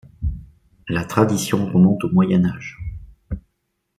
La tradition remonte au Moyen Âge.